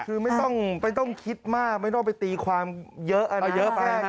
คือไม่ต้องคิดมากไม่ต้องไปตีความเยอะอ่ะนะ